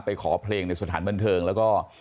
ขอเพลงในสถานบันเทิงแล้วก็